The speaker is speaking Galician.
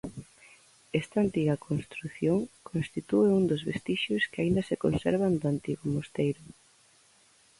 Esta antiga construción constitúe un dos vestixios que aínda se conservan do antigo mosteiro.